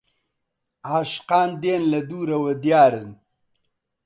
عاشقان دێن لە دوورەوە دیارن